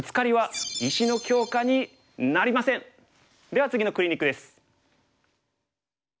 では次のクリニックです。